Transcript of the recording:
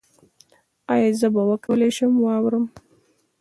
ایا زه به وکولی شم واورم؟